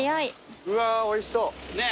うわおいしそう。